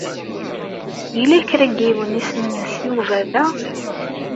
Yella kra n yiwen isem-nnes Yuba da?